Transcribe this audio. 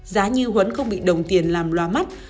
giá như huấn không bị đồng tiền làm loa mắt